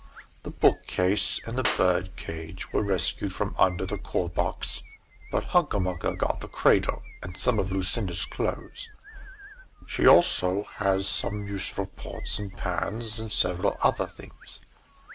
The book case and the bird cage were rescued from under the coal box but Hunca Munca has got the cradle, and some of Lucinda's clothes. She also has some useful pots and pans, and several other things.